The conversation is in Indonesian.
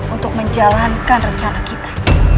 untuk menjalankan rencana kita